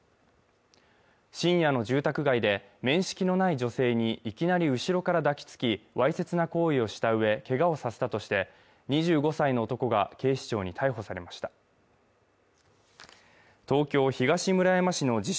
深夜の住宅街で面識のない女性にいきなり後ろから抱きつきわいせつな行為をしたうえけがをさせたとして２５歳の男が警視庁に逮捕されました東京・東村山市の自称